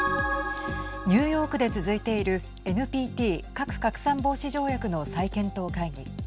ニューヨークで続いているＮＰＴ＝核拡散防止条約の再検討会議。